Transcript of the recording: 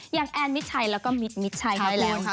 ยังแอนมิดชัยแล้วก็มิดมิดชัยครับคุณ